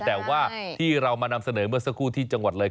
แต่ว่าที่เรามานำเสนอเมื่อสักครู่ที่จังหวัดเลย